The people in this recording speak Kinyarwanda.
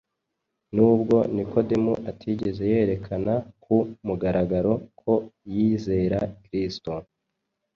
Nubwo Nikodemu atigeze yerekana ku mugaragaro ko yizera Kristo,